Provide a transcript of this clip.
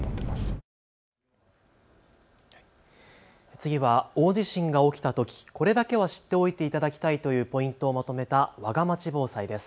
次は大地震が起きたときこれだけは知っておいていただきたいというポイントをまとめたわがまち防災です。